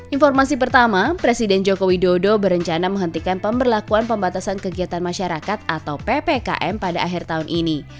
informasi pertama presiden joko widodo berencana menghentikan pemberlakuan pembatasan kegiatan masyarakat atau ppkm pada akhir tahun ini